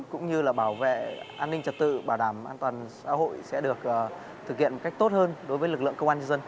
cũng như là bảo vệ an ninh trật tự bảo đảm an toàn xã hội sẽ được thực hiện một cách tốt hơn đối với lực lượng công an nhân dân